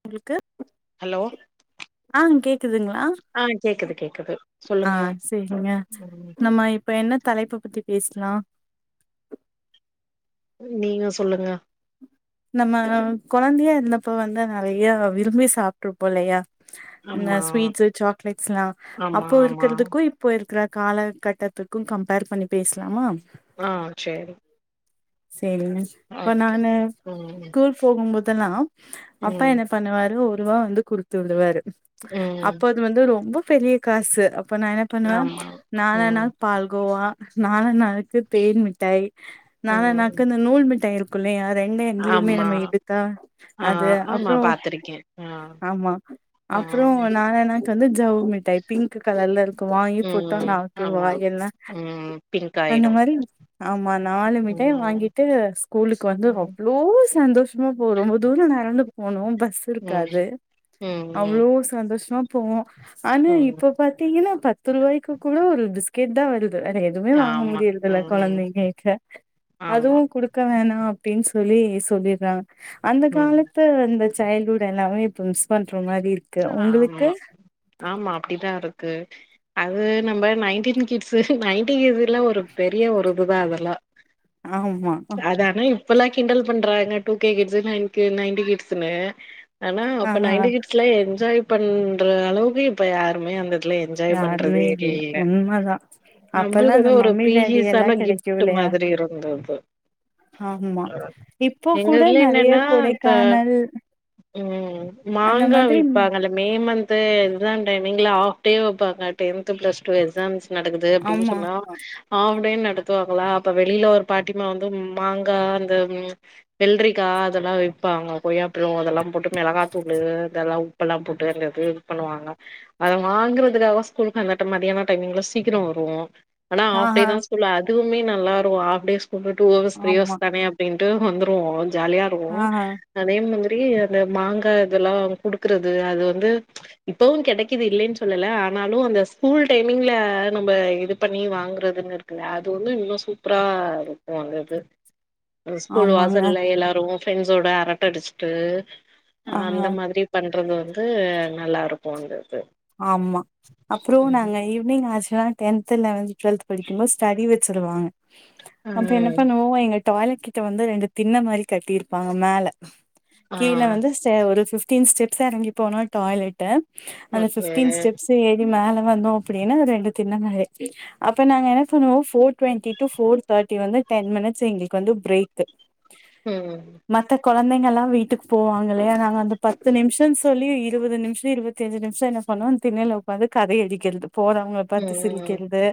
உங்களுக்கு ஹலோ ஆ கேக்குதுங்களா, ஆ கேக்குது கேக்குது ஆ சொல்லுங்க சேரிங்க ம் நம்ம இப்ப என்ன தலைப்ப பத்தி பேசலா நீங்க சொல்லுங்க நம்ம கொழந்தையா இருந்தப்ப வந்து நெறைய விரும்பி சாப்ட்டுருப்போ இல்லையா இந்த ஆமா ஸ்வீட்ஸ் சாக்லேட்ஸ்லா ஆமா அப்போ ஆமா இருக்கறதுக்கு இப் போ இருக்கற காலகட்டத்துக்கு கம்பேர் பண்ணி பேசலாமா ஆ சேரி, சோரிங்க, அ அப்ப நானு ம் ஸ்கூல் போகும்போதெல்லா அப்பா ம் என்ன பண்ணுவாரு ஒருரூவா வந்து குடுத்து விடுவாரு ம் அப்போ அது வந்து ரொம்ப பெரிய காசு, அப்ப நா என்ன பண்ணுவே ஆமா ம் நாலனாக்கு பால்கோவா நாலனாக் கு தேன் மிட்டாய் ம் நாலனாக்கு இந்த நூல் மிட்டாய் இருக் கு இல்லயா ரெண்டு எண்ட்லயுமே ஆமா நம்ம எடுத்தா ஆ அது ஆமா அப்றோ பாத்திருக்கே ஆ ஆமா ஆ அப்றோ நாலனாக்கு வந்து ஜவ்வு மிட்டாய் பிங்க் கலர்ல இருக்கு வாங்கி போட்டா ம் நாக்கு ஆமா வாய் எல்லா ம் பிங்க் ஆயிடு ஆமா நாலு மிட்டாயும் ம் வாங்கிட்டு ஸ்கூலுக்கு வந்து அவ் ம் எவ்ளோ சந்தோஷமா போவோ ரொம்ப தூர நடந்து போனு பஸ் ம் இருக்காது ம் ம் அவ்ளோ சந்தோஷமா போவோ ஆனா ம் இப்ப பாத்தீங்கனா பத் து ரூவாய்க்கு கூட ஒரு பிஸ்கெட்தா வருது வேற எதுமே வாங்க ஆமா முடியறது இல்ல ம் கொழந்தைங்களுக்கு ஆமா அதுவு குடுக்க வேணா அப்டின்னு சொல்லி சொல்லிட்றாங்க அந்த ம் காலத்துல அந்த சைல்டு ஹூட் எல்லாமே இப்ப மிஸ் பண்ற மாரி இரு ஆமா ஆமா அப்படிதா இருக்கு அது நம்ம நைன்டீன் கிட்ஸ் நைன்டி கிட்லா ஒரு பெரிய ஒரு இதுதா அதெல்லா ஆமா அதாது இப்பல்லா கிண்டல் பண்றாங்க two K kids nine K ninety கிட்ஸ்னு ஆனா ஆ அப்ப நையன்டி கிடஸ் லா என்ஜாய் பண்ற அளவுக்கு இப்ப யாருமே அந்த க்குலா என்ஜாய் யாருமே பண்றதே இல்ல உண்மதா அப்பல்லா இந்த நம்பளுக்குதா ஒரு மம்மி டாடி எல்லா பிரிசியஸ்ஸான கிப் கெடைக்கு ட்டு இல்லையா மாதிரி இருந்துது ஆமா அ இப்போ கூட எங்கள்துல நெறைய என்னன்னா இப்ப கொடைக்கானல் ம், அந்த மாங்கா மாதிரி ம விப்பாங்கல்ல மே மந்த் எக்ஸாம் டைமிங்ல ஆஃப் டே வைப்பாங்க டென்த் பிளஸ் டூ எக்ஸாம்ஸ் நடக்குது அப்டின்னு ஆமா சொன்னா ஆஃப் டே நடத்துவாங்களா அப்ப வெளியில ஒரு பாட்டிமா வந்து மாங்கா அந்த வெல்ரிக்கா அதெல்லா விப்பாங்க கொய்யாப்பழோ அதெல்லா போட்டு மெளகாத்தூளு இதெல்லாம் உப்பெல்லாம் போட்டுங்கது இது பண்ணுவாங்க அத வாங்கறதுக்காக ஸ்கூலுக்கு அந்தட்ட மதியான டைமிங்ல சீக்கிரோ வருவோ ஆனா ஆஃப் டே ஆஹா தான் ஸ்கூலு அதுமே நல்லாருக்கும் half day school two hours three ஆமா ஹார்ஸ் தானே அப்டின்ட்டு வந்துருவோம் ஜாலியா இருவோம் ஆஹா அதே மாதிரி அந்த மாங்காய் இதெல்லா குடுக்குறது அது வந்து இப்பவும் கிடைக்குது இல்லைன்னு சொல்லல ஆனாலும் அந்த ஸ்கூல் டைமிங்ல நம்ம இது பண்ணி வாங்குறதுனு இருக் அது ஒன்னு இன்னு சூப்பரா இருக்கும் அங்கது ஸ்கூல் ஆமாங்க வாசல்ல எல்லாரும் ஃப்ரெண்ட்ஸோட அரட்ட அடிச்சுட்டு அந்த ஆஹா மாதிரி பண்றது வந்து நல்லா இருக்கும் அந்தது ஆமா அப்றோ நாங்க ஈவினிங் ஆச்சா டென்த் லெவன்த் டுவல்த் படிக்கும்போ ஸ்டடி வச்சுடுவாங்க அப்ப என்ன ம் பண்ணுவோ எங்க டாய்லெட் கிட்ட வந்து ரெண்டு தின்ன மாதிரி கட்டியிருப்பாங்க மேல ஆ கீழே வந்து ஒரு பிஃப்டீன் ஸ்டெப்ஸ் இறங்கி போனா டாய்லெட் அந்த ஓகே பிஃப்டீன் ஸ்டெப்ஸ் ஏறி மேல வந்தோம் அப்டின்னா ரெண்டு தின்ன மாரி அப்ப நாங்க என்ன பண்ணுவோ four twenty two four thirty வந்து டென் மினிட்ஸ் எங்களுக்கு வந்து பிரேக் [inaudible] உம் மத்த குழந்தைங்க எல்லாம் வீட்டுக்கு போவாங்களையா நாங்க அந்த பத்து நிமிஷம்னு சொல்லி இருபது நிமிஷோ இருபத்தி அஞ்சு நிமி ஷம் என்ன பண்ண திண்ணைல உக்காந்து கதை அடிக்கிறது போறவங்கள பாத்து ம் சிரிக்கிறது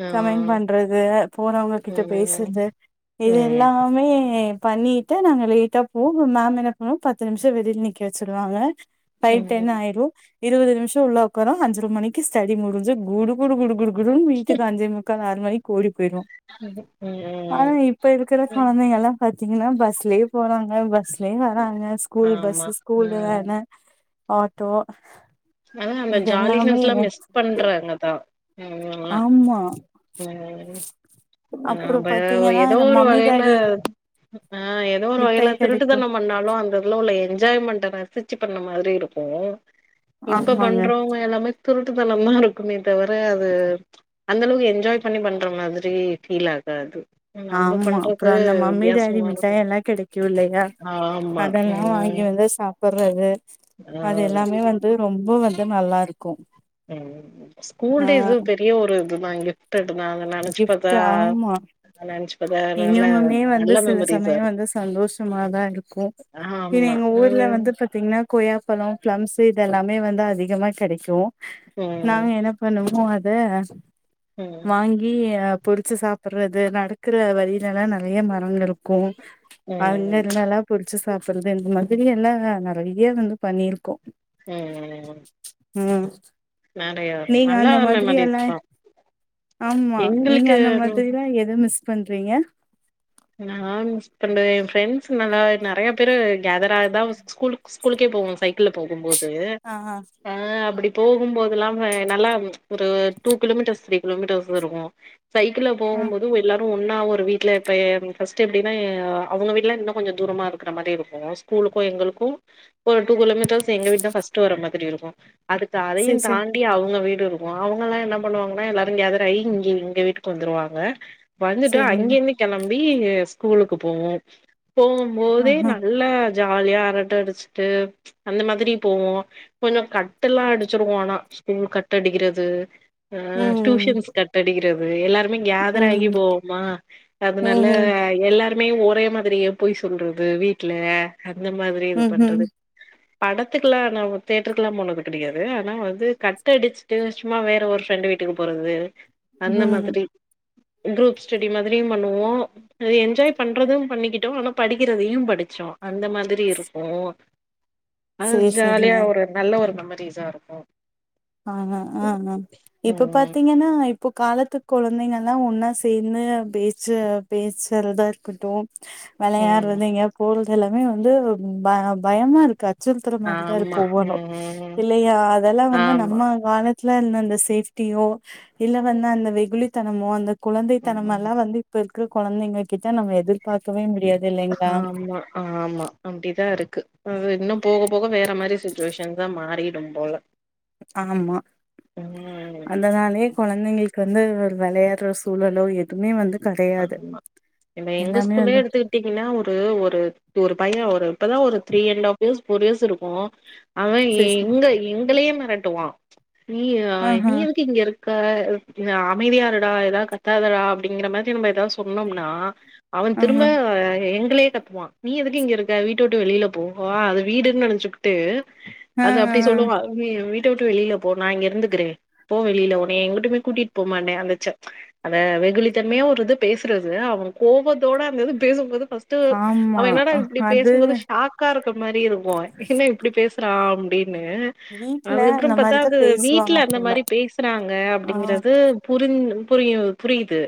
ஆ கமெண்ட் பண்றது போறவங்க ம் கிட்ட ம் பேசுறது இது ம் எல்லாமே பண்ணிட்டு த்த நாங்க லேட்டா போவோ மேம் என்ன பண்ணுவோம் பத்து நிமிஷோ வெளியில நிக்க வச்சுரவாங்க ஃபைவ் டென் ம் ஆயிரும் இருபது நிமிஷோ உள்ள உக்காரோ அஞ்சர மணிக்கு ஸ்டடி முடிஞ்சு குடு குடு குடு குடு குடூன் வீட்டுக்கு அஞ்சே முக்கால் ஆறு மணிக்கு ஓடி போயிருவோ உம் ஆனா இப்ப இருக்குற குழந்தைங்க எல்லாம் பாத்தீங்கன்னா பஸ்லயே போறாங்க பஸ்லயே வராங்க ஸ்கூல் பஸ் ஆமா ஸ்கூல் ம் வோன் ஆட்டோ அதா அந்த இது எல்லாமே ஜாலினஸ் லா மிஸ் பண்றாங்கதா ஆமா சேரி அப்றோ நாம்ப ஆ பாத்தீங்கன்னா ஏதோ இந்த ஒரு மம்மி வகையில டாடி ஆ ஏதோ ஒரு வகையில மிட்டாய் திருட்டு கெடைக்கு தணம் பண்ணாலும் அந்த இதுல உள்ள என்ஜாய்மெண்ட ரசிச்சு பண்ண மாரி இருக்கு இப்ப ஆமாங்க பண்றவங்க எல்லாமே திருட்டுத்தனமா இருக்குமே தவிர அது அந்தளவுக்கு எ என்ஜாய் பண்ணி பண்ற மாதிரி ஃபீல் ஆகாது நம்ப ஆமா அப்றோ பண்றது அந்த மம்மி டேடி வித்தியாசமா இருக்கு மிட்டாய் எல்லாம் கெடைக்கும் இல்லையா ஆமா தெனோ வாங்கி ம் வந்து சாப்ட்றது ஆ அது எல்லாமே வந்து ரொம்ப வந்து நல்லா இருக்கும் உம் ம் ஸ்கூல் டேஸ்சு பெரிய ஒரு இதுதா கிப்ட்டட் தா அதனா கிஃப்ட் ஆமா அதனால இங்கமுமே வந்து நல்ல சில மெமரிஸா சமயோ இருக்கு வந்து சந்தோஷமாதா இருக்கூ இது ஆமா எங்க ஊர்ல ம் வந்து பத் தின்ன கொய்யாப்பழோ ப்ளம்ஸ்சு இது எல்லாமே வந்து அதிகமா கெடைக்கும் ம் நாங்க என்ன பண்ணுவோ அத ம் வாங்கி பொரிச்சு சாப்றது நடக்கற வழில எல்லா நெறைய மரோ இருக்கூ பன் ம் இருந்தால்லா பொரிச்சு சாப்றது இந்த மாதிரி எல்லா நெறைய வந்து பண்ணியிருக்கோ ம் ம் நெறையா நீங்க நல்லா அந்த மெமரிஸ் மாதிரியான தா ஆமா நீங்க எங்களுக்கு அந்த மாதிரில்லா எது மிஸ் பண்றீங்க நா மிஸ் பண்றது எ ஃப்ரெண்ட்ஸ் நல்லா நெறய பேர கேதர் ஆ தா ஸ்கூலுக்கு ஸ்கூலுக்கே போவோ சைக்கிள்ல போகுபோது அ ஆ அ அப்டி போகுபோது இல்லாம நல்லா ஒரு டூ கிலோமீட்டர்ஸ் த்ரீ கிலோமீட்டர்ஸ் வருவோ சைக்கிள்ல ஆ போகுபோது எல்லாரு ஒன்னா ஒரு வீட்ல கெடயாது அ ஃபர்ஸ்ட் எப்டின்னா அவங்க வீட்லா இன்னு கொஞ்சோ தூரமா இருக்குற மாரி இருக்கு ஸ்கூலுக்கு எங்களுக்கு ஒரு டூ கிலோமீட்டர்ஸ் எங்க வீடு தா ஃபர்ஸ்ட் வர மாதிரி இருக்கு அடுத்து அதையு சேர் சேர் தாண்டி அவங்க வீடு இருக்கு அவங்க எல்லா என்ன பண்ணுவாங்கனா எல்லாரு கேதராகி இங்க எங்க வீட்டுக்கு வந்துருவாங்க வந்துட்டு சேரிங்க அங்க இருந்து கெளம்பி ஸ்கூலுக்கு போவோ போம் போதே ஆஹா நல்ல ஜாலியா அரட்ட அடிச்சிட்டு அந்த மாதிரி போவோ கொஞ்சோ கட் எல்லா அடிச்சிருவோ ஆனா ஸ்கூல் கட் அடிக்கிறது அ ம் டியூஷன்ஸ் கட் அடிக்கிறது எல்லாருமே கேதர் ஆகி ம் போவமா அதனால ம் எல்லாருமே ஒரே மாதிரியே பொய் சொல்றது வீட்ல அந்த மாதிரி இது ம் பண்றது ம் படத்துக்குல்லா என்னாவு தேட்டருக்குல்லா போனது கெடையாது ஆனா வந்து கட் அடிச்சு ட்டு சும்மா வேற ஒரு ஃப்ரெண்டு் வீட்டுக்கு போறது அந்த ம் மாதிரி குரூப் ஸ்டடி மாதிரியு பண்ணுவோ இது என்ஜாய் பண்றது பண்ணிக்கிட்டோ ஆனா படிக்கிறதையு படிச்சோ அந்த மாதிரி இருப்போ அ சேர் சேரிங்க ஜாலியா ஒரு நல்ல ஒரு மெமரிஸ் ஆ இருக்கு ஆமா ஆ மேம் இப்ப ம் பாத்தீங்கனா ப்ப காலத்து கொழந்தைங்கல்லா ஒன்னா சேந்து பேச்சு பேசறதா இருக்கட்டு ம் விளையாட்றது எங்கயாது போறது எல்லாமே வந்து ப பயமா இருக்கா அச்சுறுத்துற மாரிதா இருக்கு ஆமா ஒவ்வொன்னு ம் இல்லையா அதெல்லா வந்து நம் ஆமா ப காலத்துல இருந்த அந்த சேப்டியோ இல்ல வந்த அந்த வெகுளித்தனமோ அந்த ம் குழந்தைத்தனமெல்லா வந்து இப்ப இருக்கிற கொழந்தைங்க கிட்ட நம்ம எதிர்பாக்கவே முடியாது இல்லைங்களா ஆமா ஆமா அப்டிதா இருக்கு அது இன்னு போக போக வேற மாரி சுச்சுவேஷன் தா மாரி ரும் போல ஆமா ம் அந்தனாலயே கொழந்தைங்களுக்கு வந்து ஒரு விளையாட்ற சூழலோ எதுமே வந்து கெடையாது எல்லாமே வந்து பாட்டிங்கனா ஒரு ஒரு ஒரு பைய ஒரு இப்பதா ஒரு three and half years four years இருக்கு அவ சேரி சேரி எங்க எங்களயே மெரட்டுவா நீ ஆஹ நீ எதுக்கு இங்க இருக் க அமைதியா இருடா எதாவது கத்தாதடா அப்டிங்கிற மாரி நம்ம எதாவது சொன்னம்னா அவ ஆஹ திரும்ப எங்களயே கத்துவா நீ எதுக்கு இங்க இருக்க வீட்ட விட்டு வெளில போ அது வீடுன்னு நெனைச்சுக்கிட்டு ஆ அது அப்டி ஆ சொல்லுவா நீ வீட்ட விட்டு வெளில போ நா இங்க இருந்துக்கிறே போ வெளில உன்ன எங்குட்டுமே கூட்டிட்டு போ மாட்ட அந்தச்ச அந்த வெகுளித்தன்மையா ஒரு பேசுறது அவங்க கோபத்தோட அந்த பேசுபோது ஃபர்ஸ்ட் ட்டு அவ ஆமா என்னடா இப்டி அது பேசு போது ஷாக் க்கா இருக்க மாரி இருக்கு என்ன இப்டி பேசுறா அப்டின்னு வீட்ல அதுக்கப்றோ இந்த பாத்தா மாரிதா அது வீட்ல பேசுவாங்க அந்த போல மாரி பேசுறாங்க ஆ அப்டிங்கிறது புரிஞ் புரிய புரியுது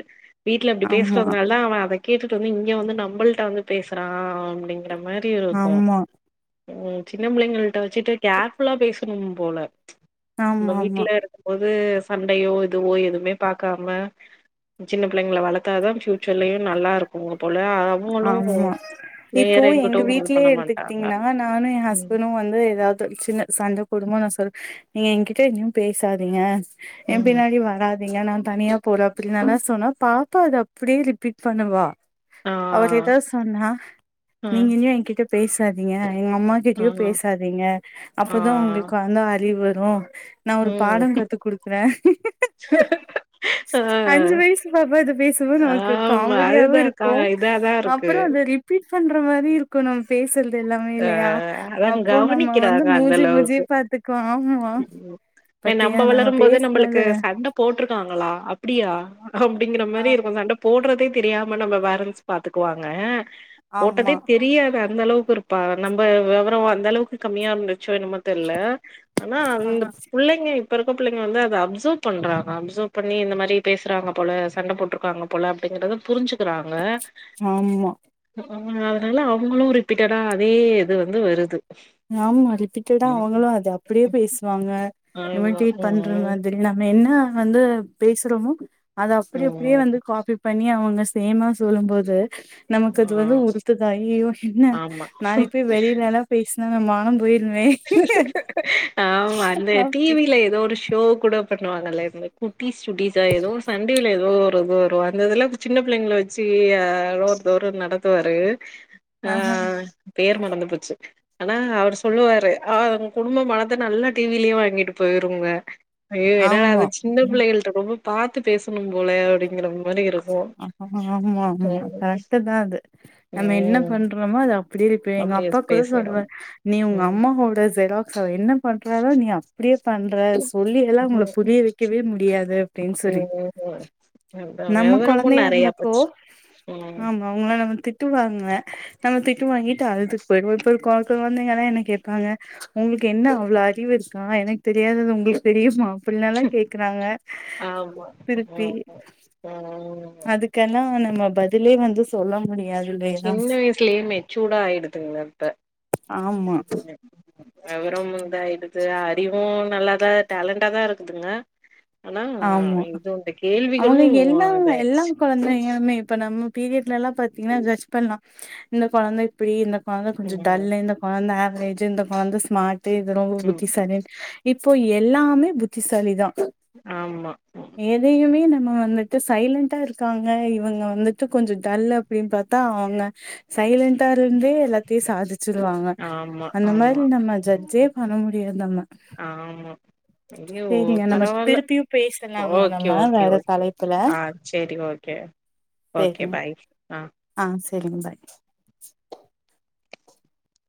வீட்ல அப்டி ஆமா பேசுறதுனால அவன் அத கேட்டுட்டு வந்து இங்க வந்து நம்மள்ட்ட வந்து பேசுறா அப்டிங்கிற மாரி இருக்கு ஆமா சின்ன புள்ளைங்கள்ட்ட வச்சிட்டு கேஃர்புல்லா பேசணு போல நம்ம ஆமா ஆமா வீட்டுல இருக்கு போது சண்டையோ இதுவோ எதுவுமே பாக்காம சின்ன புள்ளைங்கள வளர்த்தாதா ஃபுயூச்சர்லயு நல்லா இருக்குங்க போல அவங்களு ஆமா வேற இப்போ எங்கிட்டு எங்க இது வீட்லே பண்ண மாட்டாங்க எடுத்துக்கிட்டீங்ன்னா நானு ஏ ம் ஹஸ்பன்டு வந்து ஏதாவது சின்ன சண்ட போடு போது நா சொல்வ நீ ஏகிட்ட எதையு பேசாதீங்க ஏ ம் பினாடி வராதீங்க நா தனியா போற அப்டின்னா சொன்னா பாக் ப்பா அத அப்டியே ரிபீட் பண்ணுவா ஆ அவர் ஏதாது சொன்னா ஆ நீங்க ஏ எ கிட்ட பேசாதீங்க எங்க அம்மா ஆ கிட்டயு பேசாதீங்க ஆ அப்பதா உங்களுக்கு வந்து அறிவு வரு நா ஒரு பாட ம் கத்து குடுக்குற ஆ அஞ்சு வயசு பாப்பா இத பேசுபோது நமக்கு ஆமா காமெடியாவு அதுதான்க்கா இருக்கு இதாதா இருக்கு அப்றோ அத ரி பீட் பண்ற மாரி இருக்கு நம் பேசறது அது எல்லாமே அ இல்லையா அதா அப்போ நம்ம வந்து கவனிக்கிறாங்க அந்த மூஜி மூஜி அளவுக்கு பாத்துக்வோ ஆமா ம் பாத்தியா நம்ம பேசுனத போட்யிருக்காங்ளா அப்டியா அப்டிங்கற ஆ மாரி இருக்கு சண்ட போ போடுறதே தெரியாம நம்ம பேரண்ட்ஸ் பாத்துக்குவாங்க போட்டதே ஆமா தெரியாது அந்த அளவுக்கு இருக் ப்ப நம்ப விவர அந்த அளவுக்கு கம்மியா இருந்துச்சோ என்னமோ தெர்ல்ல ஆனா ஆ அந்த புள்ளைங்க இப்ப இருக்கற பிள்ளைங்க வந்து அத அப்சவ் பண்றாங்க அப்சவ் பண்ணி இந்த மாரி பேசுறாங்க போல சண்டை போட்யிருக்காங்க போல அப்டிங்கறத புரிஞ்சுகிறாங்க ஆமா அ அதனால அவங்களு ரிப்பீட்டடா அதே இது வந்து வருது ஆமா ரிப்பீட்டடா ம் அவங்களு அத அப்டியே பேசுவாங்க ஆமா இமடேட் பண்ற ம் மாதி ரி நம்ம என்ன வந்து பேசுறோமோ அத அப்டி அப்டியே வந்து ம் காபி பண்ணி அவங்க சே மா சொல்லு போது நமக்கு அது ஆ வந்து உறுத்து அய்யய்யோ என்ன ஆமா நாளைக்கு போய் வெளியிலெல்லா பேசி நம்ம மானம் போயிரும்மே ஆமா அந்த டி அப்டி வில ஏதோ ஒரு ஷோ கூட பண்ணுவாங்கல்ல இந்த குட்டீஸ் சுட்டீஸா ஏதோ ஒரு சண்டேயில ஏதோ ஒரு இது வரு இந்த இதெல்லா சின்ன பிள்ளைங்கள வச்சு ஆ ஒருத்தரு நடத்துவாரு ஆ ஆஹா பேர் மறந்து போச்சு ஆனா அவரு சொலுவாரு ஆ குடும்ப மானத்த நல்லா டி விலே வாங்கிட்டு போயிருங்க ஐயோ ஏனாடா அத ஆமா சின்ன ம் பிள்ளைகள்ட்ட ரொம்ப பாத்து பேசணு போல அப்டிங்கிற மாரி இருக்கு ஆமா ஆமா ம் கரெக்டு தா அது நம்ம என்ன ம் பண்றோமோ அத அப் அப்டியே இருப்ப எங்க அப்டியே அப்பா கூட பேசிரு சொலுவாரு நீ உங்க ம் அம்மாவோட ஜொரக்ஸு அவ என்ன பண்றாலோ நீ அப்டியே பண்ற சொலில்லா உங்கள புரிய வைக்கவே முடியாது அப்டின்னு சொல்லி ம் ம் ம் அதா நம்ம விவரமு நெறையா போச்சு ம் அவங்ளா நம்ம திட்டுவாங்க நம்ம திட்டு வாங்கிட்டு அழுதுட் போயிடுவோ இப்போ இருக்க கொழந்தைங்க எல்லா என்ன கேப்பாங்க உங்களுக்கு என்ன அவ்ளோ அறிவு இருக்கா எனக்கு தெரியாதது உங்களுக்கு தெரியுமா அப்டில்லால கேக்றாங்க திருப்பி ஆ ஆ அதுக்கெல்லா நம்ம பதிலே வந்து சொல முடியாது இல்லையா சின்ன வயசுலயே மெச்சூடா ஆயிடுதுங்க இப்ப ஆமா எவரும் இதாயிடுது அறிவு நல்லாதா டேலண்டா தா இருக்குதுங்க ஆனா ஆமா இதோட கேள்விகளு இதாச்சி இப்ப வந்து நம்ம இப்ப நம்ம பீரியட்ல எல்லா பாத்தீங்கனா ஜட்ஜ் பண்லா இந்த கொழந்த இப்டி இந்த கொழந்த கொஞ்ச ம் டல்லு இந்த கொழந்த ஆவரேஜு இந்த கொழந்த ஸ்மாட்டு இது ரொம்ப ம் புத்திசாலி இப்போ எல்லாமே புத்திசாலி தா ஆமா ம். எதையுமே நம்ம வந்துட்டு சைலண்ட்டா இருக்காங்க இவுங்க வந்துட்டு கொஞ்ச டல்லு அப் டின் பாத்தா அவுங்க சைலண்டா இருந்தே எல்லாத்தையு சாதிச் சுருவாங்க ஆமா அந்த ஆமா மாரி நம்ம ம். ஜட்ஜே பண்ண முடியது நம்ம ஆமா ஐயோ ஓ சேரிங்க நம்ம பரவால்ல திருப்பியு பேசலாங்க ஓகே நம்ம ஓகே வேற ஓகே தலைப்புல ஆ சேரி ஓகே ஓகே சேரிங்க பாய் ஆ ஆ செரிங் பாய்